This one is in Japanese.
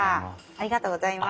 ありがとうございます。